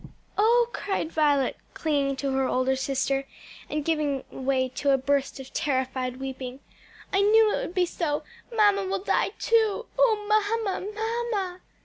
"Oh," cried Violet, clinging to her older sister, and giving way to a burst of terrified weeping, "I knew it would be so! mamma will die too. Oh mamma, mamma!"